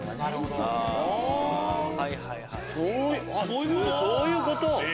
あっそういうこと！